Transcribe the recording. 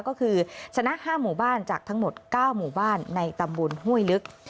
ก็คือชนะ๕หมู่บ้านจากทั้งหมด๙หมู่บ้านในตำบลห้วยลึก